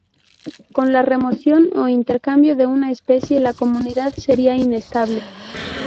Con la remoción o intercambio de una especie, la comunidad sería inestable.